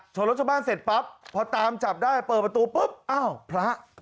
รถชาวบ้านเสร็จปั๊บพอตามจับได้เปิดประตูปุ๊บอ้าวพระ